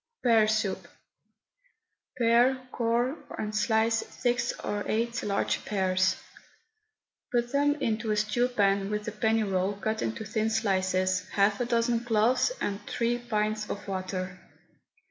PEAR SOUP. Pare, core, and slice six or eight large pears. Put them into a stew pan with a penny roll cut into thin slices, half a dozen cloves, and three pints of water.